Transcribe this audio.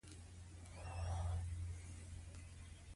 نارینه و سرونه پر میدان ایښي وو.